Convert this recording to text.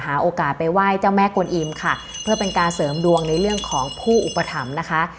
โอกาสไปไหว้เจ้าแม่กวนอิมค่ะเพื่อเป็นการเสริมดวงในเรื่องของผู้อุปถัมภ์นะคะ